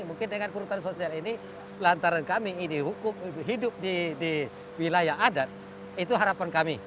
mungkin dengan perhutanan sosial ini lantaran kami ini hidup di wilayah adat itu harapan kami